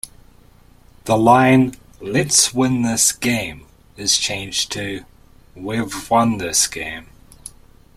The line "Lets win this game" is changed to "We've won this game.